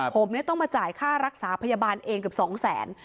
ผมเนี่ยต้องมาจ่ายค่ารักษาพยาบาลเองกับ๒๐๐๐๐๐บาท